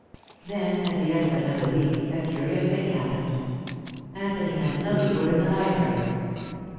Then, at the end of another week, a curious thing happened. Anthony and Lily were in the library.